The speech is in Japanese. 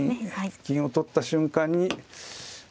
金を取った瞬間に。